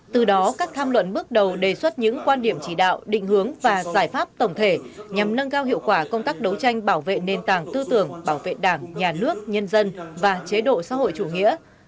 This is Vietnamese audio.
từ đó các tham luận bước đầu đề xuất những quan điểm chỉ đạo định hướng và giải pháp tổng thể nhằm nâng cao hiệu quả công tác đấu tranh bảo vệ nền tảng tư tưởng bảo vệ đảng nhà nước nhân dân và chế độ xã hội chủ nghĩa